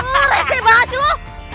lu rese banget sih lu